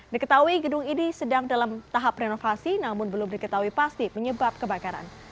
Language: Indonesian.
diketahui gedung ini sedang dalam tahap renovasi namun belum diketahui pasti penyebab kebakaran